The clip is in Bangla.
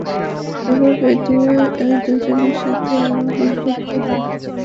এভাবেই এই দুজনের সাথে আমার বন্ধুত্ব হয়।